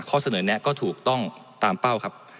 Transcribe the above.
ข้อเสนอแนะก็ถูกต้องตามเป้าครับ